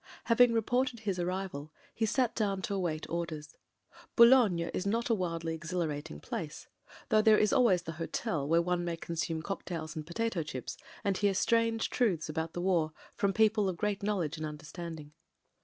Having reported his arrival, he sat down to await orders. Boulogne is not a wildly exhilarating place; though there is always the hotel where one may con sume cocktails and potato chips, and hear strange truths about the war from people of great knowledge and tmderstanding.